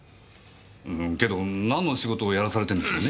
けどなんの仕事をやらされてんですかね？